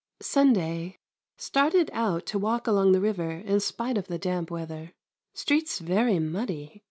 Sunday. Started out to walk along the river in spite of the damp weather. Streets very muddy.